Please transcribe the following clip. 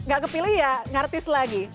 gak kepilih ya ngartis lagi